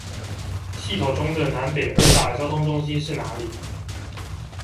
系統中的南北二大交通中心是哪裏？